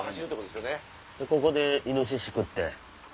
でここでイノシシ食って。